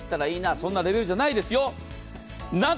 そんなレベルじゃないですよ。